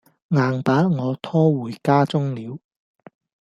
硬把我拖回家中了。